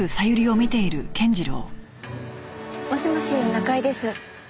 もしもし中井です。